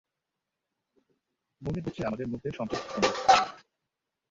মনে হচ্ছে আমাদের মধ্যে সংযোগ স্থাপন হচ্ছে।